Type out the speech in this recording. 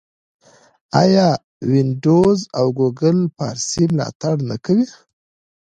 آیا وینډوز او ګوګل فارسي ملاتړ نه کوي؟